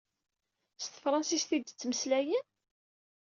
S tefṛansist i ad ttmeslayen?